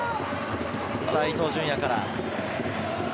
伊東純也から。